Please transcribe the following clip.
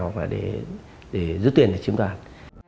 hoặc là để giữ tiền để chiếm toàn